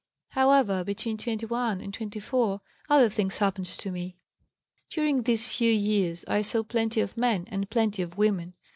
"However, between 21 and 24 other things happened to me. "During these few years I saw plenty of men and plenty of women.